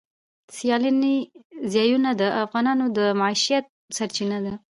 سیلانی ځایونه د افغانانو د معیشت سرچینه ده.